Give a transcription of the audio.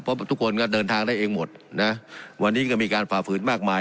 เพราะทุกคนก็เดินทางได้เองหมดนะวันนี้ก็มีการฝ่าฝืนมากมาย